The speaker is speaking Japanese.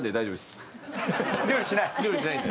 料理しないんで。